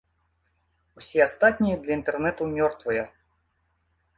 Усе астатнія для інтэрнэту мёртвыя.